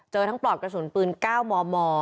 ทั้งปลอกกระสุนปืน๙มม